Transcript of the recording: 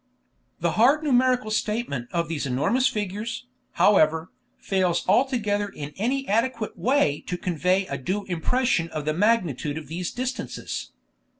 The hard numerical statement of these enormous figures, however, fails altogether in any adequate way to convey a due impression of the magnitude of these distances.